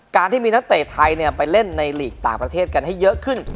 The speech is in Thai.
การที่มีนักเตะไทยไปเล่นในหลีกต่างประเทศกันให้เยอะขึ้น